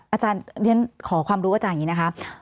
อาจารย์เรียนขอความรู้อาจารย์อย่างนี้นะคะ